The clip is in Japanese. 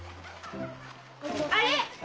あれ！